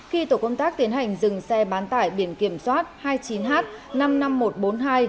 khi tổ công tác tiến hành dừng xe bán tải biển kiểm soát hai mươi chín h năm mươi năm nghìn một trăm bốn mươi hai